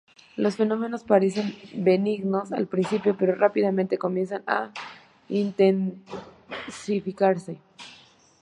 Los fenómenos parecen benignos al principio, pero rápidamente comienzan a intensificarse.